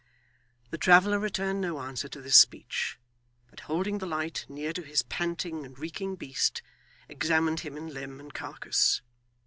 The traveller returned no answer to this speech, but holding the light near to his panting and reeking beast, examined him in limb and carcass.